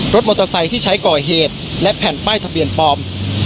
รถมอเตอร์ไซค์ที่ใช้ก่อเหตุและแผ่นป้ายทะเบียนปลอม